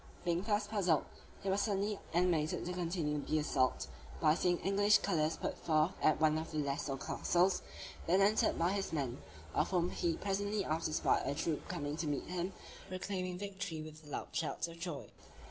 Being thus puzzled, he was suddenly animated to continue the assault, by seeing the English colors put forth at one of the lesser castles, then entered by his men; of whom he presently after spied a troop coming to meet him, proclaiming victory with loud shouts of joy.